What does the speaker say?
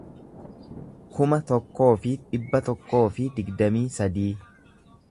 kuma tokkoo fi dhibba tokkoo fi digdamii sadii